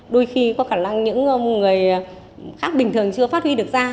đôi khi có khả năng những người khác bình thường chưa phát huy được ra